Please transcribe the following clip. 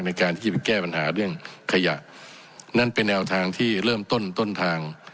ในการที่จะไปแก้ปัญหาเรื่องขยะนั่นเป็นแนวทางที่เริ่มต้นต้นทาง